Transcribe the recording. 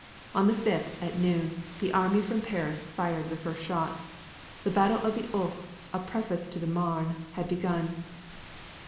On the 5th, at noon, the army from Paris fired the first shot; the battle of the Ourcq, a preface to the Marne, had begun.